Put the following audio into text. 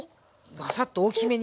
バサッと大きめに。